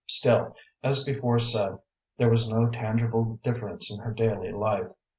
Still, as before said, there was no tangible difference in her daily life.